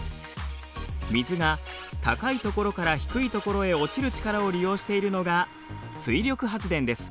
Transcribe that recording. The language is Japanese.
水が高い所から低い所へ落ちる力を利用しているのが水力発電です。